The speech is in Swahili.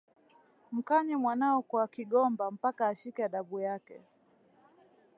Mkanye mwanao kwa kigomba mpaka ashike adabu ake.